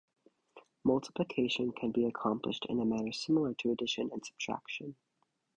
Multiplication can be accomplished in a manner similar to addition and subtraction.